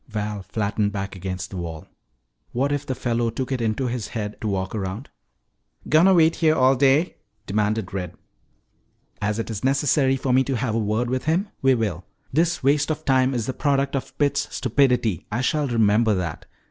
Val flattened back against the wall. What if the fellow took it into his head to walk around? "Gonna wait here all day?" demanded Red. "As it is necessary for me to have a word with him, we will. This waste of time is the product of Pitts' stupidity. I shall remember that.